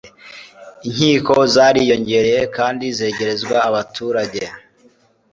inkiko zariyongereye kandi zegerezwa abaturage